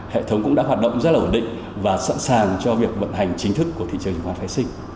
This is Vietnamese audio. hệ thống cũng đã hoạt động rất là ổn định và sẵn sàng cho việc vận hành chính thức của thị trường chứng khoán phái sinh